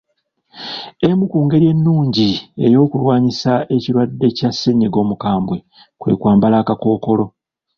Emu ku ngeri ennungi y'okulwanisa ekirwadde kya ssennyiga omukambwe, kwe kwambala akakookolo.